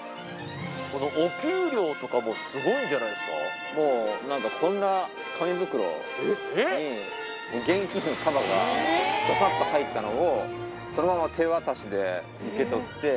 お給料とかもすごいんじゃなもうなんか、こんな紙袋に、現金の束がどさっと入ったのを、そのまま手渡しで受け取って。